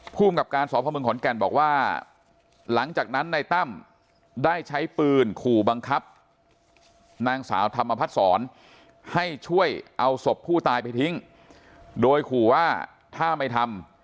ภูมิกับการสพเมืองขอนแก่นบอกว่าหลังจากนั้นในตั้มได้ใช้ปืนขู่บังคับนางสาวธรรมพัฒนศรให้ช่วยเอาศพผู้ตายไปทิ้งโดยขู่ว่าถ้าไม่ทำ